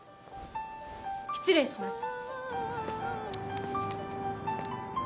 失礼します。